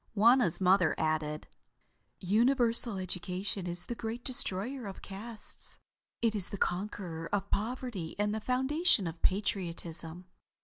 Wauna's mother added: "Universal education is the great destroyer of castes. It is the conqueror of poverty and the foundation of patriotism.